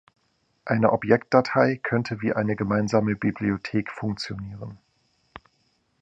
Eine Objektdatei könnte wie eine gemeinsame Bibliothek funktionieren.